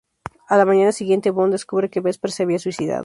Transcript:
A la mañana siguiente Bond descubre que Vesper se había suicidado.